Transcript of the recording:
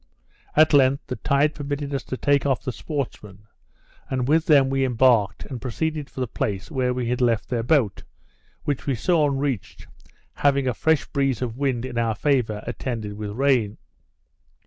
At length the tide permitted us to take off the sportsmen; and with them we embarked, and proceeded for the place where we had left their boat, which, we soon reached, having a fresh breeze of wind in our favour, attended with rain.